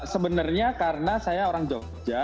sebenarnya karena saya orang jogja